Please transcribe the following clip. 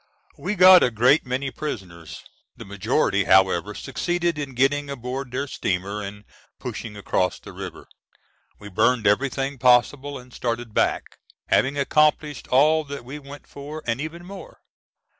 We got a great many prisoners. The majority however succeeded in getting aboard their steamer and pushing across the river. We burned everything possible and started back, having accomplished all that we went for and even more.